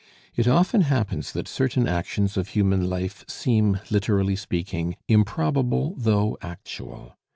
It often happens that certain actions of human life seem, literally speaking, improbable, though actual.